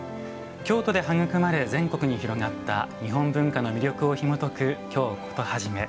京都で育まれ全国に広まった日本文化の魅力をひもとく「京コトはじめ」。